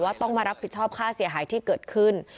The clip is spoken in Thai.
ต้องมารับผิดชอบค่าเสียหายที่เกิดขึ้น